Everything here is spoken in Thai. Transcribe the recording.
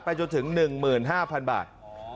จนถึง๑๕๐๐๐บาท